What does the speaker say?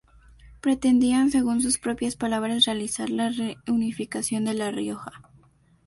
Pretendían, según sus propias palabras, realizar la reunificación de La Rioja.